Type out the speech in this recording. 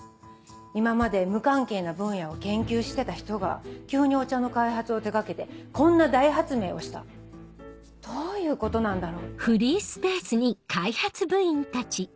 今まで無関係な分野を研究してた人が急にお茶の開発を手がけてこんな大発明をしたどういうことなんだろうって。